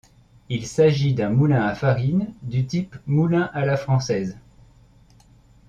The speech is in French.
Il s'agit d'un moulin à farine du type moulin à la française.